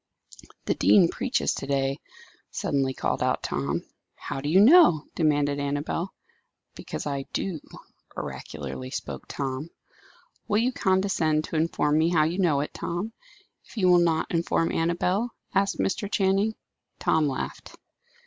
"The dean preaches to day," suddenly called out Tom. "How do you know?" demanded Annabel. "Because I do," oracularly spoke Tom. "Will you condescend to inform me how you know it, Tom, if you will not inform Annabel?" asked Mr. Channing. Tom laughed.